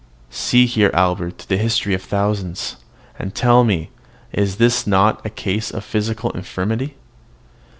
See here, Albert, the history of thousands; and tell me, is not this a case of physical infirmity?